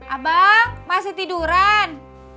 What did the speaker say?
abang masih tiduran